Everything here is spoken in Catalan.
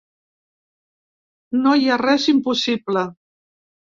No hi ha res impossible.